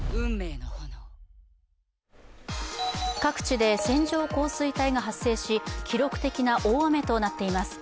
各地で線状降水帯が発生し記録的な大雨となっています。